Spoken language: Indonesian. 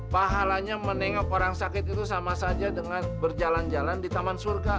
pahalanya menengok orang sakit itu sama saja dengan berjalan jalan di taman surga